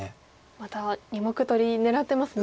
また２目取り狙ってますね。